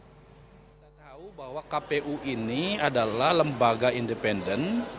kita tahu bahwa kpu ini adalah lembaga independen